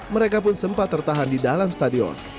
mereka pun sempat tertahan di dalam stadion